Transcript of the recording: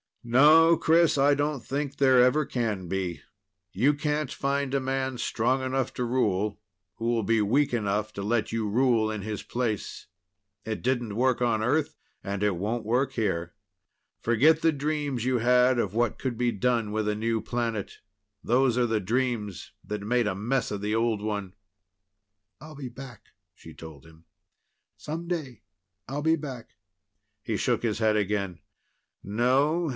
No, Chris, I don't think there ever can be. You can't find a man strong enough to rule who'll be weak enough to let you rule in his place. It didn't work on Earth, and it won't work here. Forget the dreams you had of what could be done with a new planet. Those are the dreams that made a mess of the old one." "I'll be back," she told him. "Some day I'll be back." He shook his head again. "No.